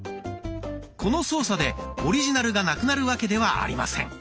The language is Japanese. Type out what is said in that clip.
この操作でオリジナルがなくなるわけではありません。